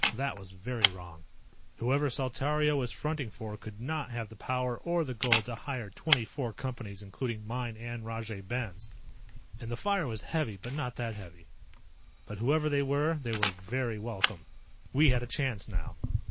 That was very wrong. Whoever Saltario was fronting for could not have the power or the gold to hire twenty four Companies including mine and Rajay Ben's. And the fire was heavy but not that heavy. But whoever they were they were very welcome. We had a chance now.